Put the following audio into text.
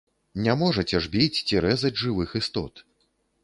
Не можаце ж біць ці рэзаць жывых істот.